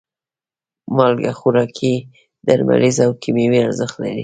مالګه خوراکي، درملیز او کیمیاوي ارزښت لري.